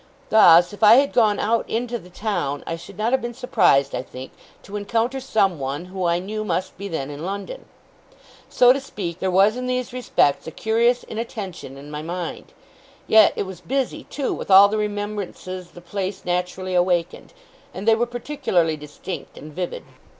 Thus, if I had gone out into the town, I should not have been surprised, I think, to encounter someone who I knew must be then in London. So to speak, there was in these respects a curious inattention in my mind. Yet it was busy, too, with all the remembrances the place naturally awakened; and they were particularly distinct and vivid.